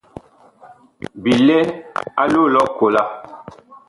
Bi lɛ a loo lʼ ɔkola.